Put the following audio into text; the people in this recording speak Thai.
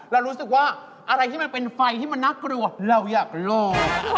เรารู้สึกว่าอะไรที่มันเป็นไฟที่มันน่ากลัวเราอยากลอง